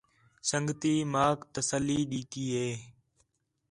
سنڳتی ماک تسلی ݙِتّی ہِے